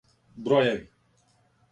Бројеви